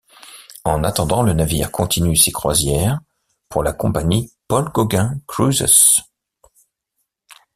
En attendant, le navire continue ses croisières pour la compagnie Paul Gauguin Cruises.